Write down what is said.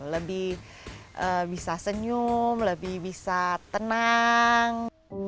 lebih bisa senyum lebih bisa tenang